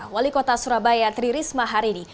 wali kota surabaya tri risma hari ini